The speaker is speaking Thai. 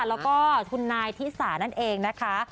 แล้วก็คุณนายทิสานั่นเองนะคะ